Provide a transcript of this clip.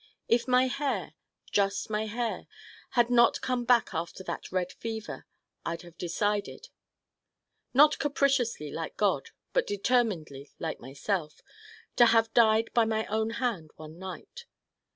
if my hair, just my hair, had not come back after that red fever I'd have decided not capriciously like God but determinedly like myself to have died by my own hand one night.